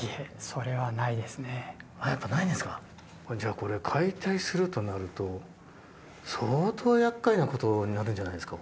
これ解体するとなると相当厄介なことになるんじゃないですか？